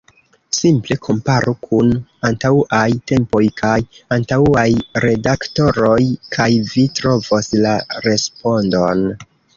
Simple komparu kun antauaj tempoj kaj antauaj redaktoroj kaj vi trovos la respondon.